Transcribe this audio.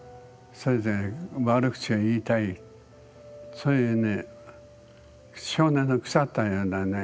そういうね